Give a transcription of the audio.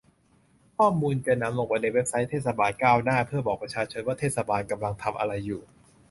ข้อมูลจะนำไปลงในเว็บไซต์เทศบาลก้าวหน้า เพื่อบอกประชาชนว่าเทศบาลกำลังทำอะไรอยู่